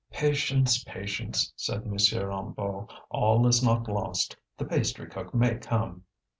"Patience, patience," said M. Hennebeau. "All is not lost, the pastrycook may come."